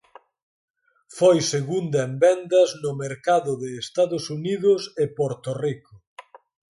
Foi segunda en vendas no mercado de Estados Unidos e Porto Rico.